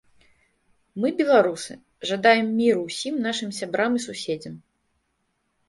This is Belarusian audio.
Мы, беларусы, жадаем міру ўсім нашым сябрам і суседзям.